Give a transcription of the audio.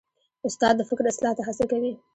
استاد د فکر اصلاح ته هڅه کوي.